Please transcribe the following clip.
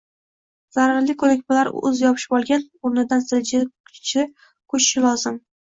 zararli ko‘nikmalar o‘z yopishib olgan o‘rnidan siljishi, ko‘chishi lozim.